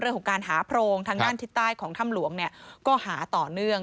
เรื่องของการหาโพรงทางด้านทิศใต้ของถ้ำหลวงเนี่ยก็หาต่อเนื่อง